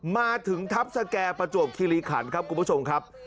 มาถึงทัพสแก่ประจวบคิริขันครับคุณผู้ชมครับ